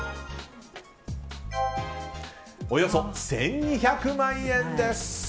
およそ１２００万円です。